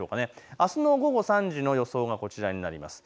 あすの午後３時の予想がこちらになります。